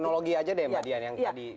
kronologi saja deh mbak dian yang tadi